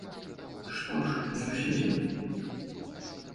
Што ж у суседзяў?